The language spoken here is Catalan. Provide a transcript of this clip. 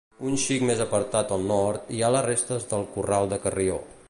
Un xic més apartat al nord hi ha les restes del Corral de Carrió.